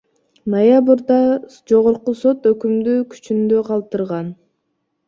Ноябрда Жогорку сот өкүмдү күчүндө калтырган.